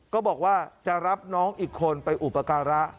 ก็บอกว่าจะรับน้องอีกคนไปอุปการะ